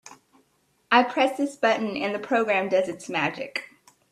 I press this button and the program does its magic.